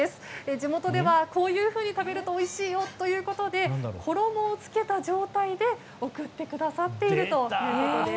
地元ではこういうふうに食べるとおいしいよということで衣をつけた状態で送ってくださっているということです。